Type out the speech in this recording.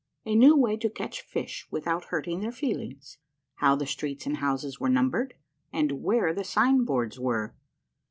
— A NEW WAY TO CATCH FISH WITHOUT HURTING THEIR FEELINGS. — HOW THE STREETS AND HOUSES WERE NUMBERED, AND WHERE THE SIGNBOARDS WERE.